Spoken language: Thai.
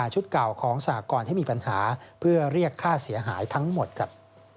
ชุดเก่าของสหกรณ์ที่มีปัญหาเพื่อเรียกค่าเสียหายทั้งหมดครับ